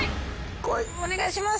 お願いします。